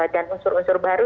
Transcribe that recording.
dan unsur unsur baru